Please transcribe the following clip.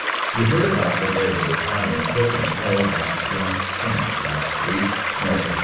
" You heard about the way the Battalion took and held that trench last week, north of